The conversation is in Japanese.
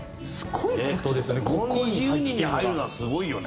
この２０人に入るのはすごいよね。